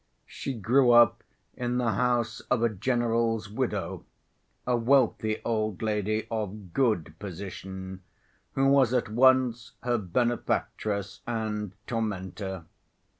She grew up in the house of a general's widow, a wealthy old lady of good position, who was at once her benefactress and tormentor.